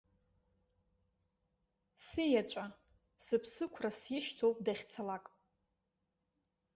Сиеҵәа, сыԥсықәра сишьҭоуп дахьцалак.